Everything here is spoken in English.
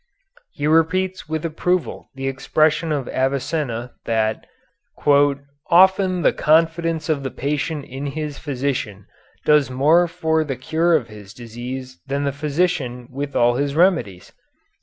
He repeats with approval the expression of Avicenna that "often the confidence of the patient in his physician does more for the cure of his disease than the physician with all his remedies."